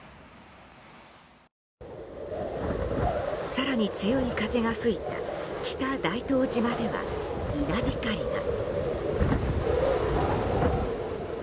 更に強い風が吹いた北大東島では稲光が。